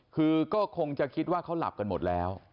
คือก็คงจะคิดว่าเขาหลับกันหมดแล้ว